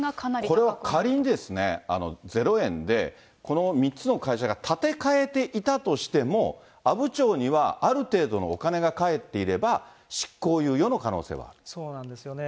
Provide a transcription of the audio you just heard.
これは仮に０円で、この３つの会社が立て替えていたとしても、阿武町にはある程度のお金が返っていれば、そうなんですよね。